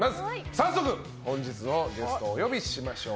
早速本日のゲストをお呼びしましょう。